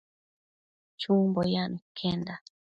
Chumbo yacno iquenda